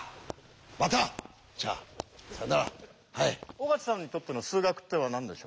尾形さんにとっての数学ってのは何でしょう？